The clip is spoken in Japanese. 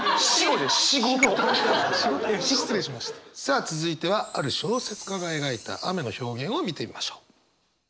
さあ続いてはある小説家が描いた雨の表現を見てみましょう。